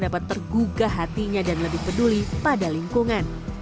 dapat tergugah hatinya dan lebih peduli pada lingkungan